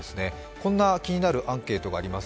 こんな気になるアンケートがあります。